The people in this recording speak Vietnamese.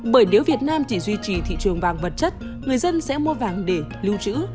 bởi nếu việt nam chỉ duy trì thị trường vàng vật chất người dân sẽ mua vàng để lưu trữ